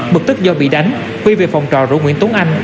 bực tức do bị đánh huy về phòng trò rủ nguyễn tuấn anh